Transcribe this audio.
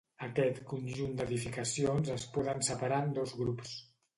Aquest conjunt d'edificacions es poden separar en dos grups.